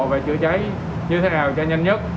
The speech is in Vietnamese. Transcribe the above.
và chữa cháy như thế nào cho nhanh nhất